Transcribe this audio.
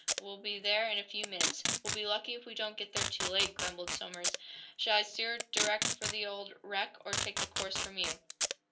We'll be there in a few minutes." "We'll be lucky if we don't get there too late," grumbled Somers. "Shall I steer direct for the old wreck, or take the course from you?"